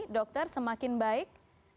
dokter semakin baik